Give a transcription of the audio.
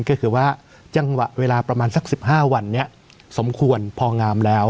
ก็คือว่าจังหวะเวลาประมาณสัก๑๕วันนี้สมควรพองามแล้ว